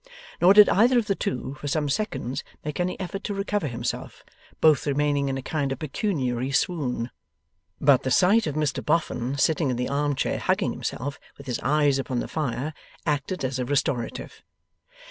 Nor did either of the two, for some few seconds, make any effort to recover himself; both remaining in a kind of pecuniary swoon. But the sight of Mr Boffin sitting in the arm chair hugging himself, with his eyes upon the fire, acted as a restorative.